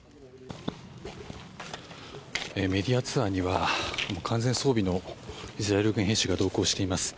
メディアツアーには完全装備のイスラエル軍兵士が同行しています。